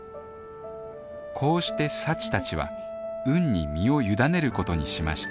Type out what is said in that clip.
こうして幸たちは運に身を委ねることにしました